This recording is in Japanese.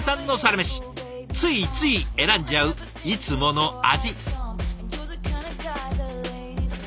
ついつい選んじゃういつもの味。